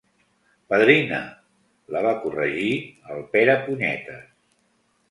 Padrina —la va corregir el Perepunyetes.